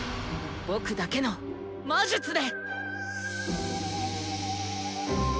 僕だけの魔術で！